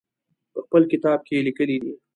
په خپل کتاب کې یې لیکلي دي.